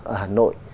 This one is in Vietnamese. ở hà nội